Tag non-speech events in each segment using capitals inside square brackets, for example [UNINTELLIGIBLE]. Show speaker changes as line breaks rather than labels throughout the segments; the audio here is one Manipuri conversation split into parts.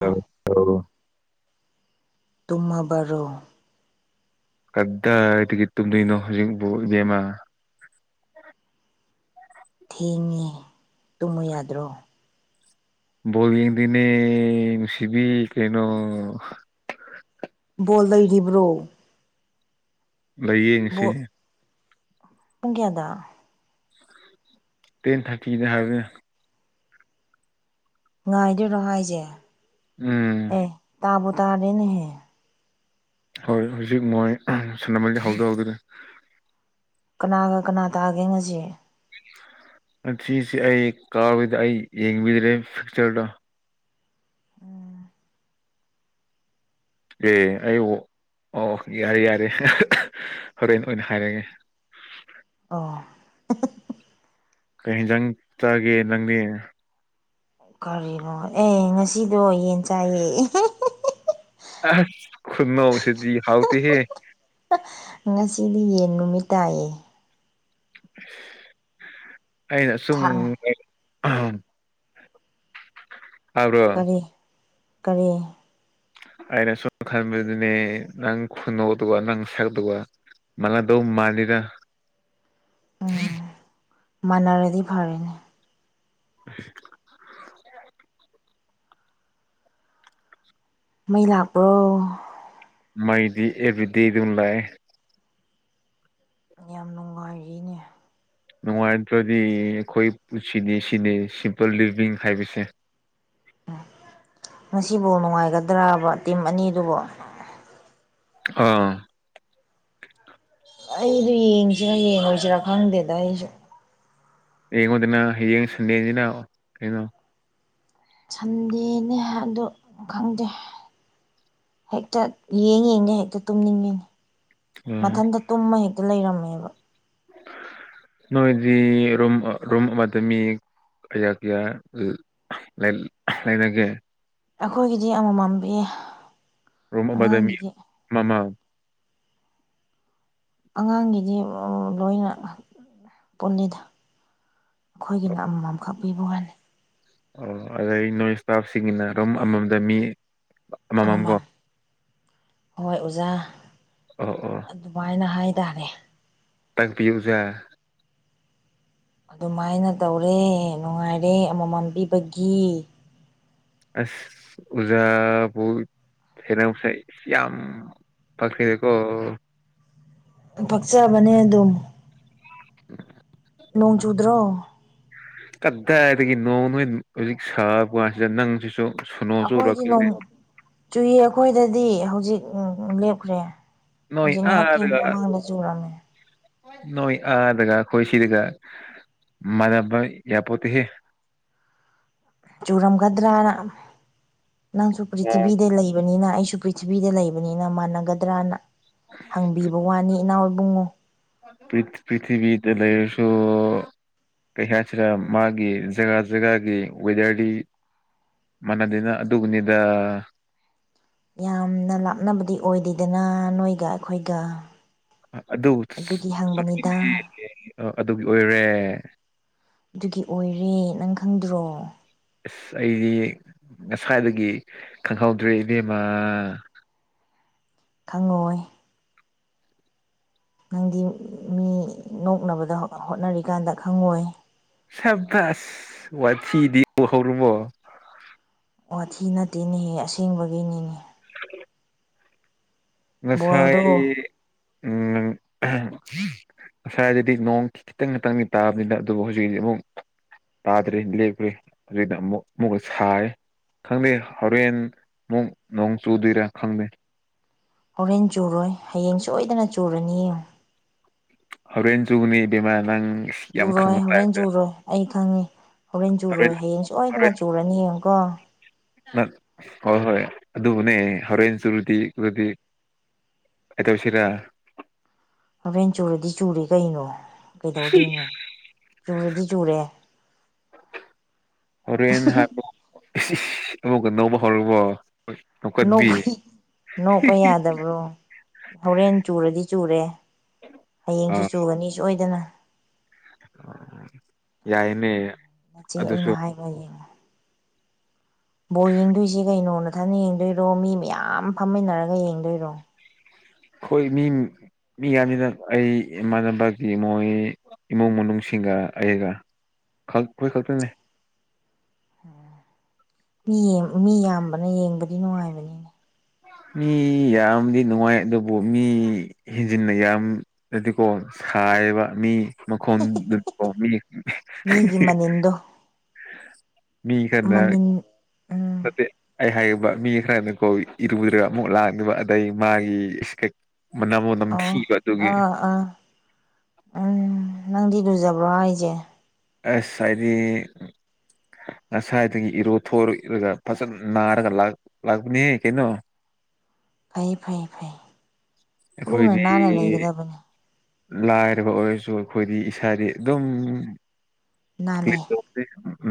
ꯑꯥ
ꯇꯧ
ꯇꯨꯝꯃꯕꯔꯣ
ꯀꯗꯥꯏꯗꯒꯤ ꯇꯨꯝꯗꯣꯏꯅꯣ ꯍꯧꯖꯤꯀꯄꯨ ꯏꯇꯦꯃꯥ
ꯍꯣ ꯇꯨꯝꯃꯨ ꯌꯥꯗ꯭ꯔꯣ
ꯕꯣꯜ ꯌꯦꯡꯗꯣꯏꯅꯦ ꯅꯨꯡꯁꯤꯕꯤ ꯀꯩꯅꯣ
ꯕꯣꯜ ꯂꯩꯔꯤꯕ꯭ꯔꯣ
ꯂꯥꯏꯌꯦ ꯉꯁꯤ
ꯕꯣꯜ ꯄꯨꯡ ꯀꯌꯥꯗ
ꯇꯦꯟ ꯊꯥꯔꯇꯤꯗ ꯍꯥꯏꯕꯅꯦ
ꯉꯥꯏꯗꯣꯏꯔꯣ ꯍꯥꯏꯁꯦ
ꯎꯝ
ꯑꯦ ꯇꯥꯕꯨ ꯇꯥꯔꯦꯅꯦꯍꯦ
ꯍꯣꯏ ꯍꯧꯖꯤꯛ ꯃꯣꯏ ꯁꯥꯟꯅꯕꯗꯤ ꯍꯧꯗꯣꯏꯔꯦ
ꯀꯅꯥꯒ ꯀꯅꯥ ꯇꯥꯒꯦ ꯉꯁꯤ
ꯁꯤꯁꯤ ꯑꯩ ꯀꯥꯏꯗ ꯑꯩ ꯌꯦꯡꯕꯤꯗ꯭ꯔꯦ ꯐꯤꯛꯆꯔꯗꯣ ꯑꯦ ꯑꯩꯕꯨ ꯑꯣ ꯌꯥꯔꯦ ꯌꯥꯔꯦ ꯍꯣꯔꯦꯟ ꯑꯣꯏꯅ ꯍꯥꯏꯔꯒꯦ
ꯑꯣ
ꯀꯩ ꯍꯦꯟꯖꯪ ꯆꯥꯒꯦ ꯅꯪꯗꯤ
ꯀꯔꯤꯅꯣ ꯑꯦ ꯉꯁꯤꯗꯣ ꯌꯦꯟ ꯆꯥꯏꯌꯦ
ꯑꯁ ꯈꯨꯅꯣꯁꯤꯗꯤ ꯍꯥꯎꯇꯤꯍꯦ
ꯉꯁꯤꯗꯤ ꯌꯦꯟ ꯅꯨꯃꯤꯠ ꯇꯥꯏꯌꯦ
ꯑꯩꯅ
ꯊꯥꯡ
ꯁꯨꯝ ꯇꯥꯕ꯭ꯔꯣ
ꯀꯔꯤ ꯀꯔꯤ
ꯑꯩꯅ ꯁꯨꯝ ꯈꯕꯗꯨꯅꯦ ꯅꯪ ꯈꯨꯅꯧꯛꯇꯨꯒ ꯅꯪ ꯁꯛꯇꯨꯒ ꯃꯟꯅ ꯗꯧ ꯃꯥꯟꯂꯤꯗ
ꯎꯝ ꯃꯥꯟꯅꯔꯗꯤ ꯐꯔꯦꯅꯦ
[UNINTELLIGIBLE]
ꯃꯩ ꯂꯥꯛꯄ꯭ꯔꯣ
ꯃꯥꯏꯗꯤ ꯑꯦꯕ꯭ꯔꯤꯗꯦ ꯗꯨꯝ ꯂꯥꯛꯑꯦ
ꯌꯥꯝ ꯅꯨꯡꯉꯥꯏꯔꯤꯅꯦ
ꯅꯨꯡꯉꯥꯏꯇ꯭ꯔꯗꯤ ꯑꯩꯈꯣꯏ ꯄꯨꯟꯁꯤꯗꯤ ꯁꯤꯅꯤ ꯁꯤꯝꯄꯜ ꯂꯤꯕꯤꯡ ꯍꯥꯏꯕꯁꯦ
ꯎꯝ ꯉꯁꯤꯕꯨꯜ ꯅꯨꯡꯉꯥꯏꯒꯗ꯭ꯔꯕ ꯇꯤꯝ ꯑꯅꯤꯗꯨꯕꯨ
ꯑꯥ
ꯑꯩꯗꯣ ꯌꯦꯡꯁꯤꯔꯥ ꯌꯦꯡꯉꯣꯏꯁꯤꯔꯥ ꯈꯪꯗꯦꯗ ꯑꯩꯁꯨ
ꯌꯦꯛꯉꯣ ꯗꯅ ꯍꯌꯦꯡ ꯁꯟꯗꯦꯟꯁꯤꯅ ꯀꯩꯅꯣ
ꯁꯟꯗꯦꯅꯦ ꯍꯥꯏꯕꯗ ꯈꯪꯗꯦ ꯍꯦꯛꯇ ꯌꯦꯡ ꯌꯦꯡꯗ ꯍꯦꯛꯇ ꯇꯨꯝꯅꯤꯡꯉꯦ
ꯑꯥ
ꯃꯊꯟꯇ ꯇꯨꯝꯃ ꯍꯦꯛꯇ ꯂꯩꯔꯝꯃꯦꯕ [UNINTELLIGIBLE]
ꯅꯣꯏꯗꯤ ꯔꯣꯝ ꯔꯣꯝ ꯑꯃꯗꯃꯤ ꯀꯌꯥ ꯀꯌꯥ ꯂꯩꯥꯏꯅ ꯀꯦ
ꯑꯩꯈꯣꯏꯒꯤꯗꯤ ꯑꯃꯃꯝꯕꯤꯌꯦ
ꯔꯣꯝ ꯑꯃꯗ ꯃꯤ ꯑꯃ ꯃꯝ
ꯑꯉꯥꯡꯒꯤꯗꯤ ꯂꯣꯏꯅ ꯄꯨꯜꯂꯤꯗ ꯑꯩꯈꯣꯏꯒꯤꯅ ꯑꯃꯃꯝꯈꯛ ꯄꯤꯕ ꯋꯥꯅꯤ
ꯑꯣ ꯑꯗꯩ ꯅꯣꯏ ꯏꯁꯇꯥꯐꯁꯤꯡꯒꯤꯅ ꯑꯗꯨꯝ ꯑꯃꯃꯝꯗ ꯃꯤ ꯑꯃꯃꯝꯀꯣ
ꯑꯃꯃꯝ ꯍꯣꯏ ꯑꯣꯖꯥ
ꯑꯣ ꯑꯣ
ꯑꯗꯨꯃꯥꯏꯅ ꯍꯥꯏꯇꯥꯔꯦ
ꯇꯥꯛꯄꯤꯌꯨꯖꯦ
ꯑꯗꯨꯃꯥꯏꯅ ꯇꯧꯔꯦ ꯅꯨꯡꯉꯥꯏꯔꯦ ꯑꯃꯃꯝ ꯄꯤꯕꯒꯤ
ꯑꯁ ꯎꯖꯥ ꯕꯨ ꯊꯦꯅꯁꯥꯏ ꯌꯥꯝ ꯄꯈꯔꯤꯀꯣ
ꯄꯛꯆꯕꯅꯦ ꯑꯗꯨꯝ
ꯎꯝ
ꯅꯣꯡ ꯆꯨꯗ꯭ꯔꯣ
ꯀꯗꯥꯏꯗꯒꯤ ꯅꯣꯡ ꯅꯣꯏ ꯍꯧꯖꯤꯛ ꯁꯥꯕ ꯀꯥꯟꯁꯤꯗ ꯅꯪꯁꯤꯁꯨ ꯁꯨꯅꯣ ꯆꯨꯔ
ꯑꯩꯈꯣꯏꯗꯤ
ꯈꯪꯗꯦ
ꯅꯣꯡ ꯆꯨꯏ ꯑꯩꯈꯣꯏꯗꯗꯤ ꯍꯧꯖꯤꯛ ꯎ ꯂꯦꯞꯈ꯭ꯔꯦ
ꯅꯣꯏ
ꯍꯧꯖꯤꯛ ꯉꯥꯏꯍꯥꯛꯀꯤ
ꯑꯥꯗꯒ
ꯃꯃꯥꯡꯗ ꯆꯨꯔꯝꯃꯦ
ꯅꯣꯏ ꯑꯥꯗꯒ ꯈꯣꯏ ꯁꯤꯗꯒ ꯃꯥꯟꯅꯕ ꯌꯥꯄꯣꯠꯇꯤꯍꯦ
ꯆꯨꯔꯝꯒꯗ꯭ꯔꯅ ꯅꯪꯁꯨ
ꯅꯣꯡ
ꯄ꯭ꯔꯤꯊꯤꯕꯤꯗ ꯂꯩꯕ ꯕꯅꯤꯅ ꯑꯩꯁꯨ ꯄ꯭ꯔꯤꯊꯤꯕꯤꯗ ꯂꯩꯕꯅꯤꯅ ꯃꯥꯟꯅꯒꯗ꯭ꯔꯅ ꯍꯪꯕꯤꯕ ꯋꯥꯅꯤ ꯏꯅꯥꯎ ꯏꯕꯨꯡꯉꯣ
ꯄ꯭ꯔꯤ ꯄ꯭ꯔꯤꯊꯤꯕꯤꯗ ꯂꯩꯔꯁꯨ ꯀꯩ ꯍꯥꯏꯁꯤꯔ ꯃꯥꯒꯤ ꯖꯒꯥ ꯖꯒꯥꯒꯤ ꯋꯦꯗꯔꯗꯤ ꯃꯥꯟꯅꯗꯦꯅ ꯑꯗꯨꯕꯨꯅꯤꯗ
ꯌꯥꯝꯅ ꯂꯥꯞꯅꯕꯗꯤ ꯑꯣꯏꯗꯦꯗꯅ ꯅꯣꯏꯒ ꯑꯩꯈꯣꯏꯒ
ꯑꯗꯨ
ꯑꯗꯨꯒꯤ ꯍꯪꯕꯅꯤꯗ
ꯆꯨꯝꯃꯤꯅꯦꯍꯦ ꯑ ꯑꯗꯨꯒꯤ ꯑꯣꯏꯔꯦ
ꯑꯗꯨꯒꯤ ꯑꯣꯏꯔꯦ ꯅꯪ ꯈꯪꯗ꯭ꯔꯣ
ꯑꯁ ꯑꯩꯗꯤ ꯉꯁꯥꯏꯗꯒꯤ ꯈꯪꯍꯧꯗ꯭ꯔꯦ ꯏꯕꯦꯝꯃꯥ
ꯈꯪꯉꯣꯏ ꯅꯪꯗꯤ ꯃꯤ ꯅꯣꯛꯅꯕꯗ ꯍꯣꯠꯅꯔꯤꯀꯥꯟꯗ ꯈꯪꯉꯣꯏ
ꯁꯕꯥꯁ ꯋꯥꯊꯤꯗꯤ ꯎ ꯍꯧꯔꯕꯣ
ꯋꯥꯊꯤ ꯅꯠꯇꯦꯅꯦꯍꯦ ꯑꯁꯦꯡꯕꯒꯤꯅꯤꯅꯦ
[UNINTELLIGIBLE]
ꯕꯣꯜꯗꯣ
ꯉꯁꯥꯏ ꯑꯝ ꯉꯁꯥꯏꯗꯗꯤ ꯅꯣꯡ ꯈꯤꯇꯪ ꯈꯤꯇꯪꯗꯤ ꯇꯥꯕꯅꯤꯗ ꯑꯗꯨꯕꯨ ꯍꯧꯖꯤꯛ ꯍꯧꯖꯤꯛꯃꯨꯛ ꯇꯥꯗ꯭ꯔꯦ ꯂꯦꯞꯈ꯭ꯔꯦ ꯍꯧꯖꯤꯛꯇ ꯑꯃꯨꯛ ꯑꯃꯨꯛꯀ ꯁꯥꯔꯦ ꯈꯪꯗꯦ ꯍꯧꯔꯦꯟ ꯃꯨꯛ ꯅꯣꯡ ꯆꯨꯗꯣꯏꯔꯥ ꯈꯪꯗꯦ
ꯍꯣꯔꯦꯟ ꯆꯨꯔꯣꯏ ꯍꯌꯦꯡ ꯁꯣꯏꯗꯅ ꯆꯨꯔꯅꯤ ꯌꯦꯡꯉꯨ
ꯍꯧꯔꯦꯟ ꯆꯨꯅꯤ ꯏꯕꯦꯃꯥ ꯅꯪ ꯌꯥꯝ
ꯆꯨꯔꯣꯏ
ꯈꯪꯕ
ꯍꯧꯔꯦꯟ
ꯇꯥꯏꯞꯇ
ꯆꯨꯔꯣꯏ ꯑꯩ ꯈꯪꯉꯤ ꯍꯧꯔꯦꯟ
ꯍꯣꯔꯦꯟ
ꯆꯨꯔꯣꯏ ꯍꯌꯦꯡ ꯁꯣꯏꯗꯅ ꯆꯨꯔꯅꯤ ꯌꯦꯡꯉꯨꯀꯣ
ꯅ ꯍꯣꯏ ꯍꯣꯏ ꯑꯗꯨꯕꯨꯅꯦ ꯍꯣꯔꯦꯟ ꯆꯨꯔꯨꯗꯤ ꯗꯤ ꯀꯩꯗꯧꯁꯤꯔ
ꯍꯧꯔꯦꯟ ꯆꯨꯔꯗꯤ ꯆꯨꯔꯤ ꯀꯩꯅꯣ ꯀꯩꯗꯧꯗꯣꯏꯅꯣ ꯆꯨꯔꯗꯤ ꯆꯨꯔꯦ
ꯍꯣꯔꯦꯟ ꯍꯥ ꯏꯁ ꯏꯁ ꯑꯃꯨꯛꯀ ꯅꯣꯡꯄ ꯍꯧꯔꯕꯣ ꯅꯧꯀꯠꯕꯤ
ꯅꯣꯛꯄꯩ ꯅꯣꯡꯄ ꯌꯥꯗ ꯕ꯭ꯔꯣ ꯍꯧꯔꯦꯟ ꯆꯨꯔꯗꯤ ꯆꯨꯔꯦ ꯍꯌꯦꯡꯁꯨ
ꯑꯥ
ꯆꯨꯒꯅꯤ ꯁꯣꯏꯗꯅ
ꯌꯥꯏꯅꯦ
ꯅꯆꯦ ꯑꯩꯅ
ꯑꯗꯨꯁꯨ
ꯍꯥꯏꯕ ꯌꯦꯡꯉꯣ ꯕꯣꯜ ꯌꯦꯡꯗꯣꯏꯖꯦ ꯀꯩꯅꯣ ꯅ ꯃꯊꯟ ꯌꯦꯡꯗꯣꯏꯔꯣ ꯃꯤ ꯃꯌꯥꯝ ꯐꯝꯃꯤꯟꯅꯔꯒ ꯌꯦꯡꯗꯣꯏꯔꯣ
ꯈꯣꯏ ꯃꯤꯡ ꯃꯤ ꯌꯥꯝꯅꯤꯅ ꯑꯩ ꯏꯃꯥꯟꯅꯕꯀꯤ ꯃꯣꯏ ꯏꯃꯨꯡ ꯃꯅꯨꯡꯁꯤꯡꯒ ꯑꯩꯒ ꯈꯪ ꯑꯩꯈꯣꯏ ꯈꯛꯇꯅꯦ
ꯃꯤ ꯌꯦꯝ ꯃꯤ ꯌꯥꯝꯕꯅ ꯌꯦꯡꯕꯗꯤ ꯅꯨꯡꯉꯥꯏꯕꯅꯤ
ꯃꯤ ꯌꯥꯝꯗꯤ ꯅꯨꯡꯉꯥꯏ ꯑꯗꯨꯕꯨ ꯃꯤ ꯍꯦꯟꯖꯤꯟꯅ ꯌꯥꯝ ꯗꯗꯤꯀꯣ ꯁꯥꯏꯌꯦꯕ ꯃꯤ ꯃꯈꯣꯟꯗꯨꯀꯣ ꯃꯤ
ꯃꯤꯒꯤ ꯃꯅꯤꯟꯗꯣ
ꯃꯤ ꯈꯠꯅ
ꯃꯅꯤꯟ ꯎꯝ
ꯅꯠꯇꯦ ꯑꯩ ꯍꯥꯏꯒꯦꯕ ꯃꯤ ꯈꯔꯅꯀꯣ ꯏꯔꯨꯗ꯭ꯔꯒ ꯑꯃꯨꯛ ꯂꯥꯛꯅꯤꯕ ꯑꯗꯩ ꯃꯥꯒꯤ ꯃꯅꯝꯋꯣ
ꯑꯧ
ꯅꯝꯊꯤꯕ ꯑꯗꯨꯒꯤ
ꯑꯥ ꯑꯥ ꯎꯝ ꯅꯪꯗꯤ ꯂꯨꯖꯕ꯭ꯔꯣ ꯍꯥꯏꯁꯦ
ꯑꯦꯁ ꯍꯥꯏꯗꯤ ꯉꯁꯥꯏꯗꯒꯤ ꯏꯔꯣ ꯊꯣꯛꯣ ꯏꯔꯒ ꯐꯖꯅ ꯅꯥꯔꯒ ꯂꯥꯛꯄꯅꯦꯍ ꯀꯩꯅꯣ
ꯐꯩ ꯐꯩ ꯐꯩ ꯂꯨꯅ
ꯑꯩꯈꯣꯏꯗꯤ
ꯅꯥꯟꯅ ꯂꯩꯒꯗꯕꯅꯤ
ꯂꯥꯏꯔꯕ ꯑꯣꯏꯔꯁꯨ ꯑꯩꯈꯣꯏꯗꯤ ꯏꯁꯥꯗꯤ ꯑꯗꯨꯝ
ꯅꯥꯂꯦ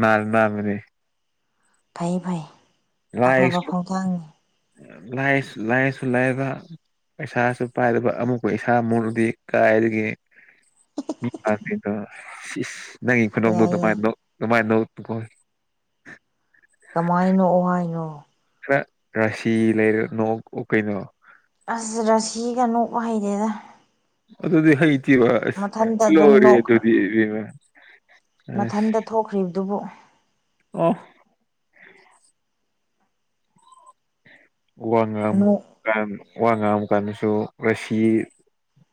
ꯃꯥ ꯃꯥꯃꯤꯅꯦ
ꯐꯩ ꯐꯩ ꯑꯐꯕ ꯈꯣꯡꯊꯥꯡꯅꯤ
ꯂꯥꯏ ꯂꯥꯏꯁꯨ ꯂꯥꯏꯕ ꯄꯩꯁꯥꯁꯨ ꯄꯥꯏꯗꯕ ꯑꯃꯨꯛꯀ ꯏꯁꯥ ꯃꯨꯛꯂꯨꯗꯤ ꯀꯥꯏꯗꯒꯤ ꯗꯣ ꯅꯪꯒꯤ ꯈꯨꯗꯣꯗꯣ
ꯌꯥꯏ ꯌꯥꯏ
ꯑꯗꯨꯃꯥꯏꯅ ꯅꯣꯀ ꯅꯣꯛ ꯎꯅꯨꯀꯣ
ꯀꯃꯥꯏꯅꯥ ꯅꯣꯛ ꯎ ꯍꯥꯏꯔꯤꯅꯣ
ꯈꯔ ꯔꯥꯁꯤ ꯂꯩꯔ ꯅꯣꯛ ꯑꯣ ꯀꯩꯅꯣ
ꯑꯁ ꯔꯁꯤꯒ ꯅꯣꯛꯄꯥ ꯍꯩꯗꯦꯗ
ꯑꯗꯨꯗꯤ ꯍꯩꯇꯕ ꯑꯁ
ꯃꯊꯟꯇ ꯑꯗꯨꯝ
ꯂꯣꯔꯤꯍꯦ
ꯅꯣꯛꯈ꯭ꯔ
ꯑꯗꯨꯗꯤ ꯑꯦ ꯕꯦꯝꯃꯥ
ꯃꯊꯟꯇ ꯊꯣꯛꯈ꯭ꯔꯤꯕꯗꯨꯕꯨ
ꯑꯣ ꯋꯥ ꯉꯝ
ꯅꯣꯛ
ꯉꯥꯡꯝ ꯋꯥꯕꯥ ꯀꯥꯟꯗꯁꯨ ꯔꯁꯤ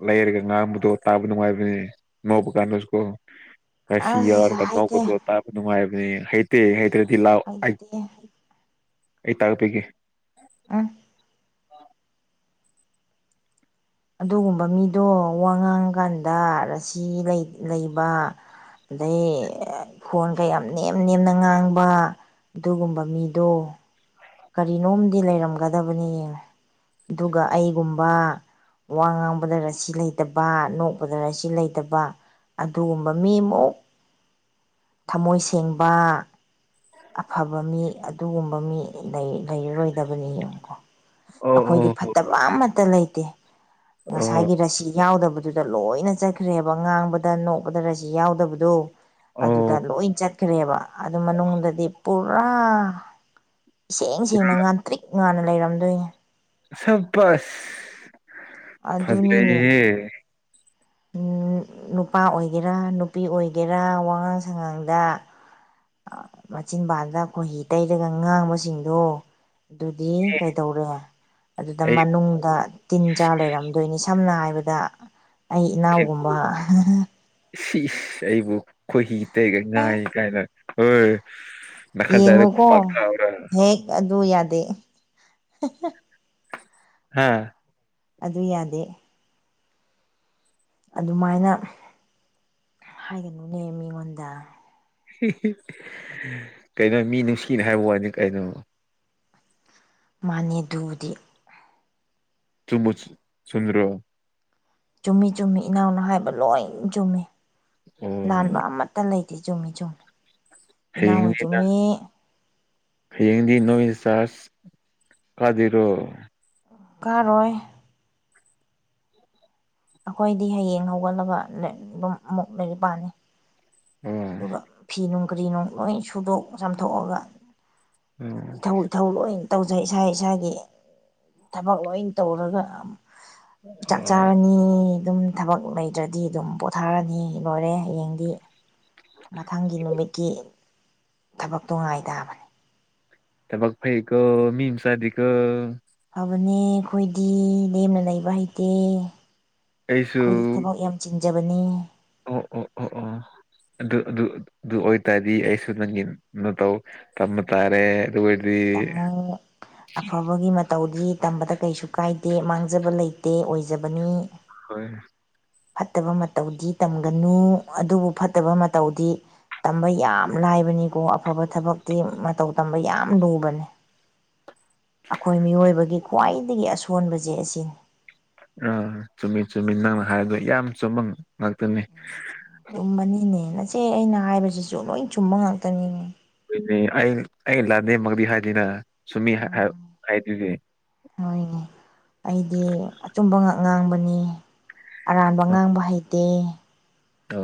ꯂꯩꯔꯒ ꯉꯥꯡꯝꯕꯗꯣ ꯇꯥꯕ ꯅꯨꯡꯉꯥꯏꯕꯅꯤ ꯅꯣꯛꯄ ꯀꯥꯟꯗꯁꯨꯀꯣ ꯑꯁꯤ
ꯑꯁ
ꯌꯥꯑꯣꯔꯒ
ꯍꯩꯇꯦ
ꯅꯣꯛꯄꯗꯨ ꯇꯥꯕ ꯅꯨꯡꯉꯥꯏꯕꯅꯦ ꯍꯩꯇꯦ ꯍꯩꯇ꯭ꯔꯗꯤ ꯂꯥꯛꯑꯣ ꯑꯩ
ꯍꯩꯇꯦ
ꯑꯩ ꯇꯥꯛꯄꯤꯒꯦ
ꯑ
ꯑ
ꯑꯗꯨꯒꯨꯝꯕ ꯃꯤꯗꯣ ꯋꯥ ꯉꯥꯡꯀꯥꯟꯗ ꯔꯁꯤ ꯂꯩꯕ ꯂꯩꯌꯦ ꯈꯣꯟꯒ ꯌꯥꯝ ꯅꯦꯝ ꯅꯦꯝꯅ ꯉꯥꯡꯕ ꯑꯗꯨꯒꯨꯝꯕ ꯃꯤꯗꯣ ꯀꯔꯤꯅꯣꯝꯗꯤ ꯂꯩꯔꯝꯒꯗꯕꯅꯤ ꯌꯦꯟꯉꯨ ꯑꯗꯨꯒ ꯑꯩꯒꯨꯝꯕ ꯋꯥ ꯉꯥꯡꯕꯗ ꯔꯁꯤ ꯂꯩꯇꯕ ꯅꯣꯛꯄꯗ ꯔꯁꯤ ꯂꯩꯇꯕ ꯑꯗꯨꯒꯨꯝꯕ ꯃꯤꯃꯨꯛ ꯊꯃꯣꯏ ꯁꯦꯡꯕ ꯑꯐꯕ ꯃꯤ ꯑꯗꯨꯒꯨꯝꯕ ꯃꯤ ꯂꯩꯔꯔꯣꯏꯗꯕꯅꯤ ꯌꯦꯡꯉꯨꯀꯣ
ꯑꯣ
ꯑꯩꯈꯣꯏꯗꯤ
ꯑꯣ
ꯐꯠꯇꯕ ꯑꯃꯠꯇ ꯂꯩꯇꯦ
ꯑꯣ
ꯉꯁꯥꯏꯒꯤ ꯔꯁꯤ ꯌꯥꯎꯗꯕꯗꯨꯗ ꯂꯣꯏꯅ ꯆꯠꯈ꯭ꯔꯦꯕ ꯉꯥꯡꯕꯗ ꯅꯣꯛꯄꯗ ꯔꯁꯤ ꯌꯥꯎꯗꯕꯗꯣ ꯑꯗꯨꯗ
ꯑꯣ
ꯂꯣꯏ ꯆꯠꯈ꯭ꯔꯦꯕ ꯑꯗꯨ ꯃꯅꯨꯡꯗꯗꯤ ꯄꯨꯔꯥ ꯏꯁꯦꯡ ꯁꯦꯡꯅ ꯉꯥꯟꯇ꯭ꯔꯤꯛ ꯉꯥꯅ ꯂꯩꯔꯝꯗꯣꯏꯅꯤ
ꯁꯕꯁ
ꯑꯗꯨꯅꯤꯅꯦ
ꯐꯖꯩꯌꯦ
ꯅꯨꯄꯥ ꯑꯣꯏꯒꯦꯔꯥ ꯅꯨꯄꯤ ꯑꯣꯏꯒꯦꯔꯥ ꯋꯥꯉꯥꯡ ꯁꯉꯥꯡꯗ ꯃꯆꯤꯟ ꯄꯗ ꯈꯈꯣꯏꯍꯤ ꯇꯩꯔꯒ ꯉꯥꯡꯕꯁꯤꯡꯗꯣ ꯑꯗꯨꯗꯤ ꯀꯩꯗꯧꯔꯦ ꯑꯗꯨꯗ
ꯑꯩ
ꯃꯅꯨꯡꯗ ꯇꯤꯟ ꯆꯥ ꯂꯩꯔꯝꯗꯣꯏꯅꯤ ꯁꯝꯅ ꯍꯥꯏꯔꯕꯗ ꯑꯩ ꯏꯅꯥꯎꯒꯨꯝꯕ
ꯁꯤ ꯑꯩꯕꯨ ꯈꯣꯏꯍꯤ ꯇꯩꯒ ꯉꯥꯏ ꯀꯥꯏꯅ ꯍꯣꯏ ꯃꯈꯥꯖꯥꯏꯗꯨꯗꯥ ꯈꯨꯄꯥꯛꯅꯥ
ꯌꯦꯡꯉꯨꯀꯣ
ꯊꯥꯎꯔꯥ
ꯍꯦꯛ ꯑꯗꯨ ꯌꯥꯗꯦ
ꯍꯥꯥ
ꯑꯗꯨ ꯌꯥꯗꯦ ꯑꯗꯨꯃꯥꯏꯅ ꯍꯥꯏꯒꯅꯨꯅꯦ ꯃꯤꯉꯣꯟꯗ
ꯀꯩꯅꯣ ꯃꯤ ꯅꯨꯡꯁꯤꯅ ꯍꯥꯏꯕ ꯋꯥꯅꯤ ꯀꯩꯅꯣ
ꯃꯥꯥꯅꯦ ꯑꯗꯨꯕꯨꯗꯤ
ꯆꯨꯃꯨꯁ ꯁꯨꯝꯕꯔꯣ
ꯆꯨꯝꯃꯤ ꯆꯨꯝꯃꯤ ꯏꯅꯥꯎꯅ ꯍꯥꯏꯕ ꯂꯣꯏ ꯆꯨꯝꯃꯤ
ꯑꯣ
ꯂꯥꯟꯕ ꯑꯃꯠ ꯇ ꯂꯩꯇꯦ ꯆꯨꯝꯃꯤ ꯆꯨꯝꯃꯤ ꯏꯅꯥꯎꯅ
ꯊꯦꯡꯉꯦꯗ
ꯆꯨꯝꯃꯤ
ꯍꯌꯦꯡꯗꯤ ꯅꯣꯏ ꯆꯔꯁ ꯀꯥꯗꯨꯏꯔꯣ
ꯀꯥꯔꯣꯏ ꯑꯩꯈꯣꯏꯗꯤ ꯍꯌꯦꯡ ꯍꯧꯒꯠꯂꯒ ꯂꯩ ꯑꯗꯨꯝ ꯑꯃꯨꯛ ꯂꯩꯔꯤ ꯄꯥꯅꯤ
ꯑꯣ
ꯑꯗꯨꯒ ꯐꯤ ꯅꯨꯡ ꯀꯔꯤ ꯅꯨꯡ ꯂꯣꯏ ꯁꯨꯗꯣꯛ ꯆꯥꯝꯊꯣꯛꯑꯒ
ꯑꯣ
ꯏꯊꯧ ꯏꯊꯧ ꯂꯣꯏ ꯇꯧꯖꯩ ꯏꯁꯥ ꯏꯁꯥꯒꯤ ꯊꯕꯛ ꯂꯣꯏ ꯇꯧꯔꯒ ꯆꯥꯛ
ꯑꯣ
ꯆꯥꯔꯅꯤ ꯑꯗꯨꯝ ꯊꯕꯛ ꯂꯩꯇ꯭ꯔꯗꯤ ꯑꯗꯨꯝ ꯄꯣꯊꯥꯔꯅꯤ ꯂꯣꯏꯔꯦ ꯍꯌꯦꯡꯗꯤ ꯃꯊꯪꯒꯤ ꯅꯨꯃꯤꯠꯀꯤ ꯊꯕꯛꯇꯣ ꯉꯥꯏ ꯇꯥꯕꯅꯤ
ꯊꯕꯛ ꯐꯩꯀꯣ ꯃꯤꯃꯆꯥꯗꯤ ꯀꯣ
ꯐꯕꯅꯦ ꯑꯩꯈꯣꯏꯗꯤ ꯂꯦꯝꯅ ꯂꯩꯕ ꯍꯩꯇꯦ
ꯑꯩꯁꯨ
ꯑꯩꯈꯣꯏꯗꯤ ꯊꯕꯛ ꯌꯥꯝ ꯆꯤꯟꯖꯕꯅꯦ
ꯑꯣ ꯑꯣ ꯑꯣ ꯑꯣ ꯑꯗꯨ ꯑꯗꯨ ꯑꯗꯨ ꯑꯣꯏꯇꯥꯔꯗꯤ ꯑꯩꯁꯨ ꯅꯪꯒꯤ ꯇꯧ ꯇꯝꯕ ꯇꯥꯔꯦ ꯗꯨꯔꯗꯤ
ꯇꯥꯃꯣ ꯑꯐꯕꯒꯤ ꯃ ꯇꯧꯔꯤ ꯇꯝꯕꯗ ꯀꯩꯁꯨ ꯀꯥꯏꯗꯦ ꯃꯥꯡꯖꯕ ꯂꯩꯇꯦ ꯑꯣꯏꯖꯕꯅꯤ
ꯍꯣꯏꯅ
ꯐꯠꯇꯕ ꯃꯇꯧꯗꯤ ꯇꯝꯒꯅꯨ ꯑꯗꯨꯕꯨ ꯐꯠꯇꯕ ꯃꯇꯧꯗꯤ ꯇꯝꯕ ꯌꯥꯝ ꯂꯥꯏꯕꯅꯤꯀꯣ ꯑꯐꯕ ꯊꯕꯛꯇꯤ ꯃꯇꯧ ꯇꯝꯕ ꯌꯥꯝ ꯂꯨꯕꯅꯤ ꯑꯩꯈꯣꯏ ꯃꯤꯑꯣꯏꯕꯒꯤ ꯈ꯭ꯋꯥꯏꯗꯒꯤ ꯑꯁꯣꯟꯕꯁꯦ ꯑꯁꯤꯅꯤ
ꯑꯥ ꯆꯨꯝꯃꯤ ꯆꯨꯝꯃꯤ ꯅꯪꯅ ꯍꯥꯏꯕꯗꯣ ꯌꯥꯝ ꯆꯨꯝꯕ ꯉꯥꯛꯇꯅꯤ
ꯆꯨꯝꯕꯅꯤꯅꯦ ꯅꯆꯦ ꯑꯩꯅ ꯍꯥꯏꯕꯁꯤꯁꯨ ꯂꯣꯏ ꯆꯨꯝꯕ ꯉꯇꯅꯤꯅꯦ
ꯑꯩ ꯑꯩ ꯂꯥꯟꯗꯦꯝꯃꯗꯤ ꯍꯥꯏꯗꯦꯅ ꯁꯨꯝꯃꯤ ꯍꯥꯏ
ꯎꯝ
ꯍꯥꯏꯗꯨꯗꯤ
ꯍꯣꯏꯅꯦ ꯑꯩꯗꯤ ꯑꯆꯨꯝꯕ ꯉꯥꯛ ꯉꯥꯡꯕꯅꯤ ꯑꯔꯥꯟꯕ ꯉꯥꯡꯕ ꯍꯩꯇꯦ
ꯑ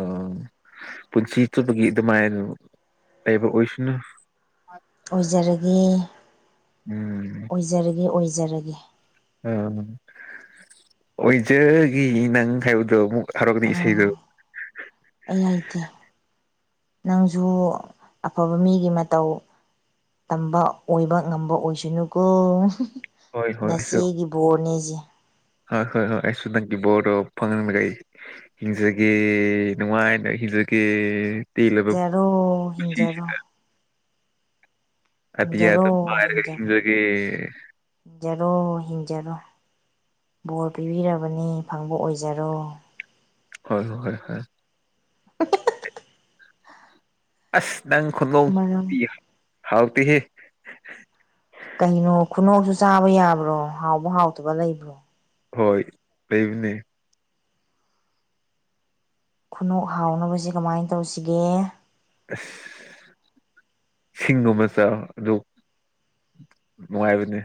ꯄꯨꯟꯁꯤ ꯆꯨꯞꯄꯒꯤ ꯑꯗꯨꯃꯥꯏꯅ ꯂꯩꯕ ꯑꯣꯏꯁꯅꯨ
ꯑꯣꯏꯖꯔꯒꯦ
ꯎꯝ
ꯑꯣꯏꯖꯔꯒꯦ ꯑꯣꯏꯖꯔꯒꯦ
ꯑꯝ ꯑꯣꯏꯖꯒꯤ ꯅꯪ ꯍꯥꯏꯕꯗꯣ ꯑꯃꯨꯛ ꯊꯥꯔꯛꯅꯤ
ꯎꯝ
ꯏꯁꯩꯗꯣ
ꯑꯩ ꯍꯩꯇꯦ ꯅꯪꯁꯨ ꯑꯐꯕ ꯃꯤꯒꯤ ꯃꯇꯧ ꯇꯝꯕ ꯑꯣꯏꯕ ꯉꯝꯕ ꯑꯣꯏꯁꯅꯨꯀꯣ
ꯍꯣꯏ ꯍꯣꯏ ꯑꯩꯁꯨ
ꯅꯆꯦꯒꯤ ꯕꯣꯔꯅꯦꯁꯦ
ꯍꯣꯏ ꯍꯣꯏ ꯍꯣꯏ ꯑꯩꯁꯨ ꯅꯪꯒꯤ ꯕꯣꯔꯣ ꯐꯪꯉꯪꯂꯒꯦ ꯍꯤꯡꯖꯒꯦ ꯅꯨꯡꯉꯥꯏꯅ ꯍꯤꯡꯖꯒꯦ ꯇꯂꯕ
ꯍꯤꯡꯖꯔꯣ ꯍꯤꯡꯖꯔꯣ
ꯄꯨꯁꯤꯁꯤꯗ ꯑꯇꯤꯌꯥꯗ
ꯍꯤꯡꯖꯔꯣ
ꯄꯥꯏꯔꯒ
ꯍꯤꯡꯖꯔꯣ
ꯍꯤꯡꯖꯒꯦ
ꯍꯤꯡꯖꯔꯣ ꯍꯤꯡꯖꯔꯣ ꯕꯣꯔ ꯄꯤꯕꯤꯔꯕꯅꯤ ꯐꯪꯕ ꯑꯣꯏꯖꯔꯣ
ꯍꯣꯏ ꯍꯣꯏ ꯍꯣꯏ
[UNINTELLIGIBLE]
ꯑꯁ ꯅꯪ ꯈꯨꯅꯣꯛꯇꯤ
ꯃꯔꯝ
ꯍꯥꯎꯇꯦꯍꯦ
ꯀꯩꯅꯣ ꯈꯨꯅꯧꯁꯨ ꯆꯥꯕ ꯌꯥꯕ꯭ꯔꯣ ꯍꯥꯎꯕ ꯍꯥꯎꯇꯕ ꯂꯩꯕ꯭ꯔꯣ
ꯍꯣꯏ ꯂꯩꯕꯅꯦ
ꯈꯨꯅꯣꯛ ꯍꯥꯎꯅꯕꯁꯤ ꯀꯃꯥꯏꯅ ꯇꯧꯁꯤꯒꯦ
ꯑꯁ ꯁꯤꯡꯒꯨꯝꯕ ꯆꯥꯎ ꯑꯗꯨ ꯅꯨꯡꯉꯥꯏꯕꯅꯦ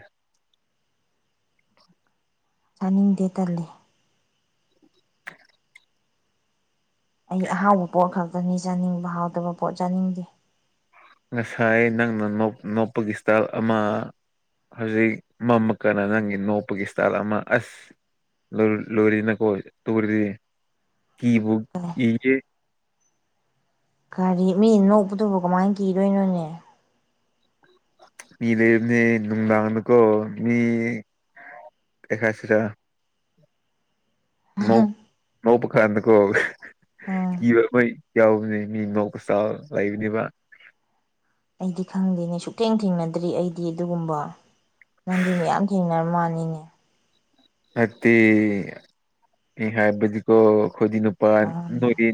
ꯆꯥꯅꯤꯡꯗꯦ ꯇꯜꯂ‌ꯦ ꯑꯩ ꯑꯍꯥꯎꯕ ꯄꯣꯠ ꯈꯛꯇꯅꯤ ꯆꯥꯅꯤꯡꯕ ꯍꯥꯎꯇꯕ ꯄꯣꯠ ꯆꯥꯅꯤꯡꯗꯦ
ꯉꯁꯥꯏ ꯅꯪꯅ ꯅꯣꯞꯄꯒꯤ ꯁ꯭ꯇꯥꯏꯜ ꯑꯃ ꯍꯧꯖꯤꯛ ꯃꯃꯀꯅ ꯅꯪꯒꯤ ꯅꯣꯞꯄꯒꯤ ꯁ꯭ꯇꯥꯜ ꯑꯃ ꯑꯁ ꯂꯣꯏꯔꯤꯅ ꯀꯣ ꯇꯧꯔꯤꯗꯤ ꯀꯤꯕꯨ ꯀꯤꯒ‌ꯦ
ꯀꯥꯔꯤ ꯃꯤꯅ ꯅꯣꯛꯄꯗꯨꯕꯨ ꯀꯃꯥꯏꯅ ꯀꯤꯗꯣꯏꯅꯣꯅꯦ
ꯃꯤ ꯂꯩꯕꯅ‌ꯦ ꯅꯨꯡꯗꯥꯡꯗꯀꯣ ꯃꯤ ꯀꯩ ꯍꯥꯏꯁꯤꯔ ꯅ‌ꯣꯛꯄ ꯈꯥꯟꯗꯀꯣ
ꯎꯝ
ꯀꯤꯕ ꯈ‌ꯣꯏ ꯌꯥꯎꯕꯅꯦ ꯃꯤ ꯅ‌ꯣꯛꯀ ꯁꯥ ꯂꯩꯕꯅꯦꯕ
ꯑꯩꯗꯤ ꯈꯪꯗꯦꯅꯦ ꯁꯨꯛꯊꯦꯡ ꯊꯦꯡꯅꯗ꯭ꯔꯤ ꯑꯩꯗꯤ ꯑꯗꯨꯒꯨꯝꯕ ꯅꯪꯗꯤ ꯃꯌꯥꯝ ꯊꯦꯡꯅꯔ ꯃꯥꯜꯂꯤꯅꯦ
ꯍꯥꯏꯕꯗꯤ ꯍꯥꯏꯕꯗꯤꯀꯣ ꯈ‌ꯣꯏꯗꯤ ꯅꯨꯄꯥ
ꯑꯥ
ꯅ‌ꯣꯏꯗꯤ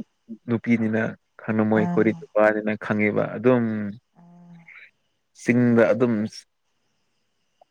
ꯅꯨꯄꯤꯅꯤꯅꯍꯥꯟꯅ ꯃ‌ꯣꯏ
ꯑꯥ
ꯀ‌ꯣꯔꯤꯛ ꯅꯨꯄꯥꯅꯤꯅ ꯈꯪꯉꯤꯕ ꯑꯗꯨꯝ ꯆꯤꯡꯗ ꯑꯗꯨꯝ